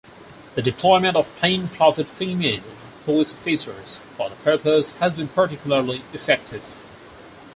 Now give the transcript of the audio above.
The deployment of plain-clothed female police officers for the purpose has been particularly effective.